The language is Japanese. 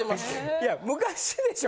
いや昔でしょ。